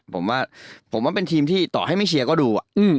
ผมว่าผมว่าเป็นทีมที่ต่อให้ไม่เชียร์ก็ดู